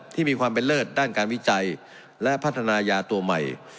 ที่มีความเป็นเลิศด้านการวิจัยและพัฒนายาตัวใหม่